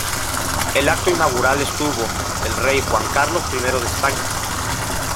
El acto inaugural estuvo el Rey Juan Carlos I de España.